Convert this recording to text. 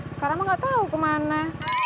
sekarang mah gak tau kemana